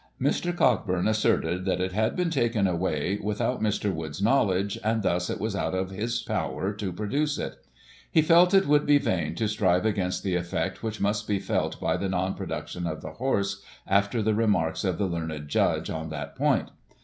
Mr. Cockburn asserted that it had been taken away without Mr. Wood's knowledge, and thus it was out of his power to produce it; he felt it would be vain to strive against the effect which must be felt by the non production of the horse, after the remarks of the learned Judge on that point.